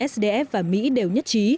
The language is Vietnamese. sdf và mỹ đều nhất trí